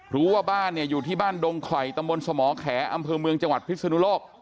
รู้ว่าบ้านเนี่ยอยู่ที่บ้านดงคอยตำบลสมแขอำเภอเมืองจังหวัดพิศนุโลก